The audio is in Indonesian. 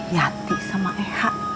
yati sama eha